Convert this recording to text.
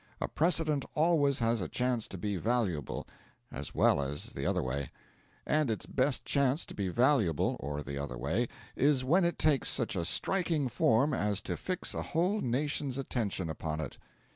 A precedent always has a chance to be valuable (as well as the other way); and its best chance to be valuable (or the other way) is when it takes such a striking form as to fix a whole nation's attention upon it.